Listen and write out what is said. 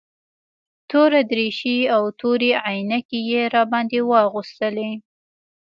توره دريشي او تورې عينکې يې راباندې واغوستلې.